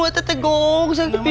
tetek tetek gong saya tidak bisa